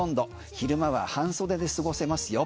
昼間は半袖で過ごせますよ。